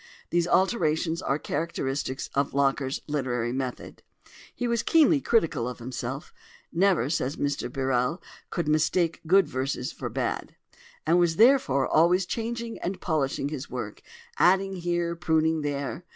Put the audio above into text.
These alterations are characteristic of Locker's literary method. He was keenly critical of himself—"never," says Mr Birrell, "could mistake good verses for bad"—and was therefore always changing and polishing his work, adding here, pruning there.